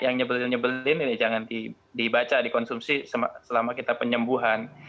yang nyebelin nyebelin ini jangan dibaca dikonsumsi selama kita penyembuhan